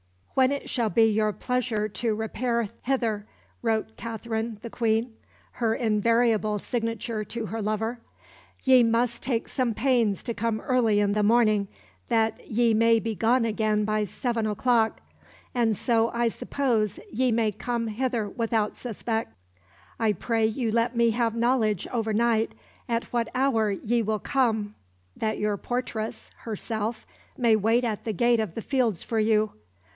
"When it shall be your pleasure to repair hither," wrote Kateryn the Quene her invariable signature to her lover, "ye must take some pains to come early in the morning, that ye may be gone again by seven o'clock; and so I suppose ye may come hither without suspect. I pray you let me have knowledge over night at what hour ye will come, that your portress [herself] may wait at the gate of the fields for you....